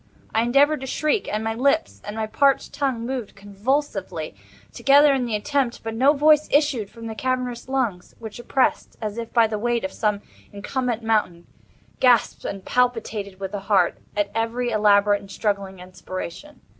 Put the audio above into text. I endeavored to shriek; and my lips and my parched tongue moved convulsively together in the attempt—but no voice issued from the cavernous lungs, which oppressed as if by the weight of some incumbent mountain, gasped and palpitated, with the heart, at every elaborate and struggling inspiration.